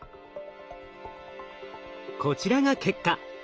こちらが結果。